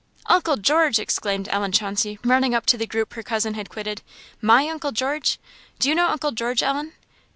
"Uncle George!" exclaimed Ellen Chauncey, running up to the group her cousin had quitted; "my uncle George? Do you know uncle George, Ellen?"